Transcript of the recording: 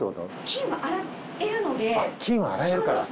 金は洗えるから。